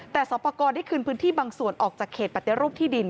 แต่สอบประกอบได้คืนพื้นที่บางส่วนออกจากเขตปฏิรูปที่ดิน